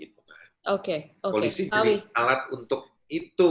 polisi jadi alat untuk itu